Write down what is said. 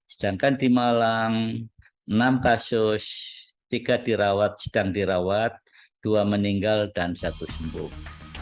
sedangkan di malang enam kasus tiga dirawat sedang dirawat dua meninggal dan satu sembuh